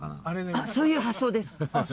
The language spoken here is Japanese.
あっそういう発想です。